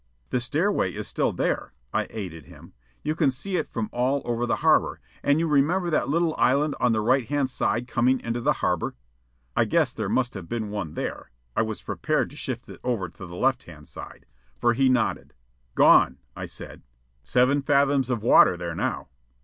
"The stairway is still there," I aided him. "You can see it from all over the harbor. And you remember that little island on the right hand side coming into the harbor?" I guess there must have been one there (I was prepared to shift it over to the left hand side), for he nodded. "Gone," I said. "Seven fathoms of water there now."